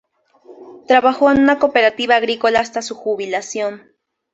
Trabajó en una cooperativa agrícola hasta su jubilación.